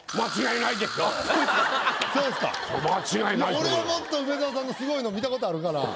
俺はもっと梅沢さんのすごいの見たことあるから。